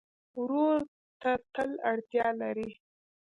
ورور ته تل اړتیا لرې.